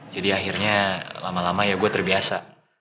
jadi akhirnya lama lama ya gue terbiasa